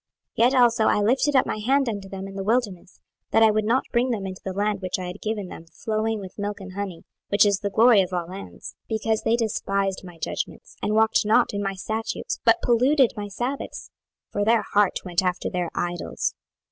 26:020:015 Yet also I lifted up my hand unto them in the wilderness, that I would not bring them into the land which I had given them, flowing with milk and honey, which is the glory of all lands; 26:020:016 Because they despised my judgments, and walked not in my statutes, but polluted my sabbaths: for their heart went after their idols.